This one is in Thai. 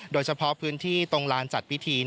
โดยเฉพาะพื้นที่ตรงลานจัดพิธี